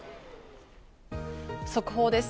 速報です。